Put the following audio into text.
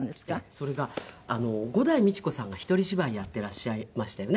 それが五大路子さんがひとり芝居やっていらっしゃいましてね。